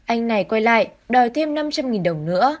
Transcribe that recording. anh này quay lại đòi thêm năm trăm linh đồng nữa